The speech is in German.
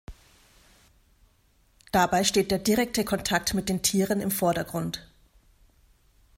Dabei steht der direkte Kontakt mit den Tieren im Vordergrund.